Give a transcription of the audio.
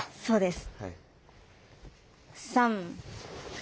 そうです。